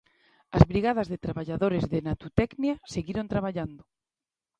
As brigadas de traballadores de Natutecnia seguiron traballando.